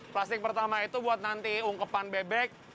plastik pertama itu buat nanti ungkepan bebek